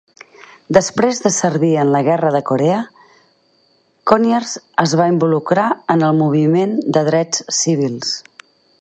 Després de servir en la Guerra de Corea, Conyers es va involucrar en el moviment de drets civils.